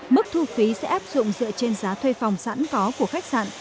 mức thu phí sẽ áp dụng dựa trên giá thuê phòng sẵn có của khách sạn